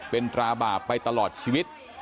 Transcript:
เป็นตราบาปไปตลอดชีวิต